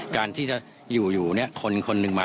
การที่จะอยู่เนี่ยคนหนึ่งมา